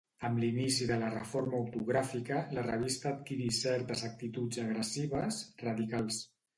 Amb l'inici de la reforma ortogràfica, la revista adquirí certes actituds agressives, radicals.